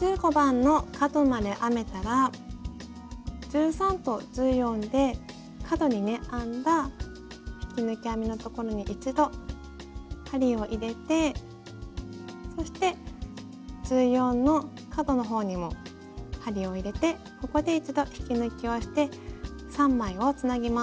１５番の角まで編めたら１３と１４で角にね編んだ引き抜き編みのところに一度針を入れてそして１４の角のほうにも針を入れてここで一度引き抜きをして３枚をつなぎます。